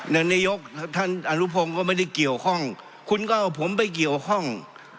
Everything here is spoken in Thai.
นายกท่านอนุพงศ์ก็ไม่ได้เกี่ยวข้องคุณก็เอาผมไปเกี่ยวข้อง